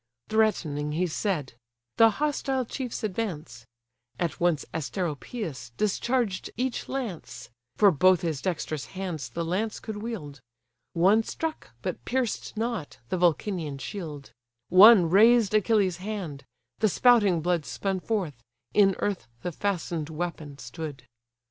Threatening he said: the hostile chiefs advance; At once Asteropeus discharged each lance, (For both his dexterous hands the lance could wield,) One struck, but pierced not, the Vulcanian shield; One razed Achilles' hand; the spouting blood Spun forth; in earth the fasten'd weapon stood.